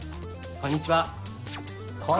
こんにちは。